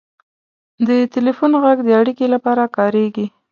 • د ټلیفون ږغ د اړیکې لپاره کارېږي.